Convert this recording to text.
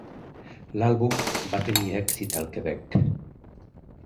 L'àlbum va tenir èxit al Quebec.